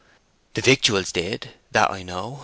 "The victuals did; that I know.